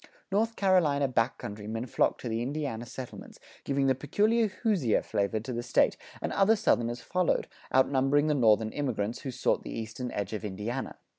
North Carolina back countrymen flocked to the Indiana settlements, giving the peculiar Hoosier flavor to the State, and other Southerners followed, outnumbering the Northern immigrants, who sought the eastern edge of Indiana.